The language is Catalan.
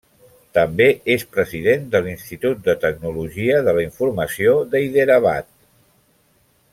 També és president de l'Institut de Tecnologia de la Informació de Hyderabad.